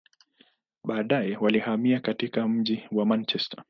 Baadaye, walihamia katika mji wa Manchester.